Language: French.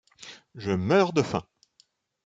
Je meurs de faim !…